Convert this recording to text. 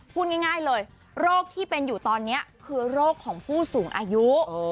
พูดง่ายเลยโรคที่เป็นอยู่ตอนนี้คือโรคของผู้สูงอายุ